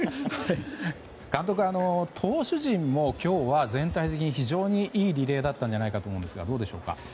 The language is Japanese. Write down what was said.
監督、投手陣も今日は全体的に非常にいいリレーだったんじゃないかと思うんですがどうでしょうか。